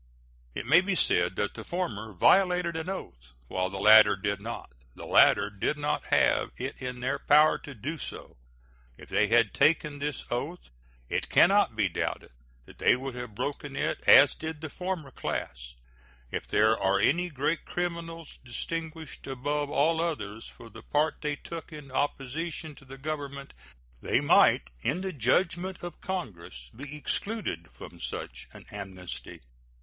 It may be said that the former violated an oath, while the latter did not; the latter did not have it in their power to do so. If they had taken this oath, it can not be doubted they would have broken it as did the former class. If there are any great criminals, distinguished above all others for the part they took in opposition to the Government, they might, in the judgment of Congress, be excluded from such an amnesty.